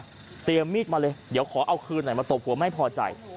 เตรียมมีดมาเลยเดี๋ยวขอเอาคืนหน่อยมาตบหัวไม่พอใจ